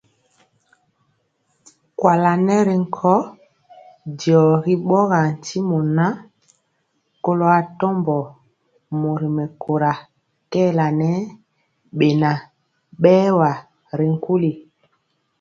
Kuala nɛ nkɔɔ diɔ ri ɓorɔɔ ntimɔ ŋan, kɔlo atɔmbɔ mori mɛkóra kɛɛla ŋɛ beŋa berwa ri nkuli.